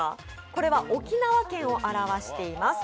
これは沖縄県を表しています。